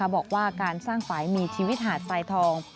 บอกว่าการสร้างฝ่ายมีชีวิตหาดทรายทอง